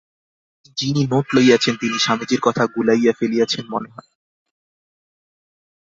যিনি নোট লইয়াছেন, তিনি স্বামীজীর কথা গুলাইয়া ফেলিয়াছেন, মনে হয়।